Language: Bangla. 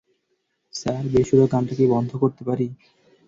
স্যার, বেসুরা গানটা কি বন্ধ করতে পারি?